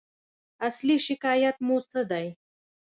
اصلي شکایت مو څه دی؟